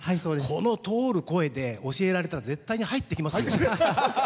この通る声で教えられたら絶対に入ってきますよ。